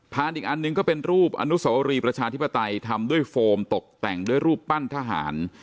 อีกอันหนึ่งก็เป็นรูปอนุสวรีประชาธิปไตยทำด้วยโฟมตกแต่งด้วยรูปปั้นทหาร